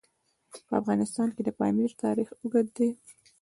په افغانستان کې د پامیر تاریخ اوږد دی.